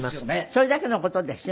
それだけの事ですよ。